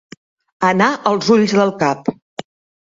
Anar als ulls del cap.